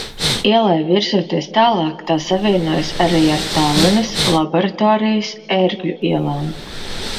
Ielai virzoties tālāk, tā savienojas arī ar Tallinas, Laboratorijas, Ērgļu ielām.